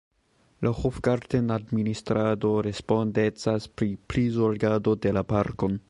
La Hofgarten-administrado respondecas pri prizorgado de la parkon.